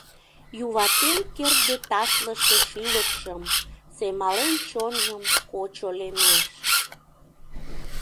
Юватен кертде ташлыше шӱлыкшым, семален чонжым кочо лемеш…